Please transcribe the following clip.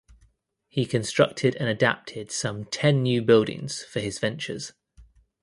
He constructed and adapted some ten new buildings for his ventures.